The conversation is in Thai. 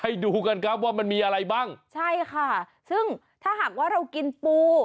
ดูกันครับว่ามันมีอะไรบ้างใช่ค่ะซึ่งถ้าหากว่าเรากินปู